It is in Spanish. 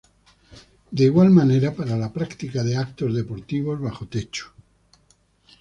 De igual manera para la práctica de eventos deportivos bajo techo.